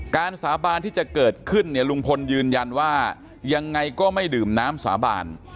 สาบานที่จะเกิดขึ้นเนี่ยลุงพลยืนยันว่ายังไงก็ไม่ดื่มน้ำสาบาน